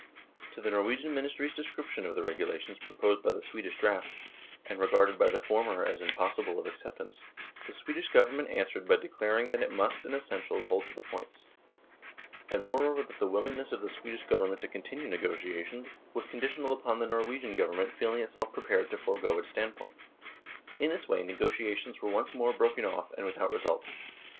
To the Norwegian ministry's description of the regulations proposed by the Swedish draft, and regarded by the former as impossible of accept ance, the Swedish Government answered by declaring that it must in essentials hold to the points, and moreover that the willingness of the Swedish Govern ment to continue negotiations was conditional upon 78 NORWAY AND THE UNION WITH SWEDEN the Norwegian Government feeling itself prepared to forego its standpoint. In this way negotiations were once more broken off; and without result.